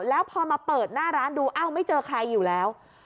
แล้วพอมาเปิดหน้าร้านดูอ้าวไม่เจอใครอยู่แล้ว